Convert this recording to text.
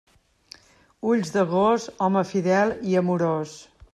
Ulls de gos, home fidel i amorós.